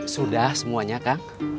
sudah semuanya kang